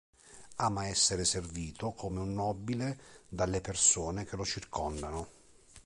Ama essere servito come un nobile dalle persone che lo circondano.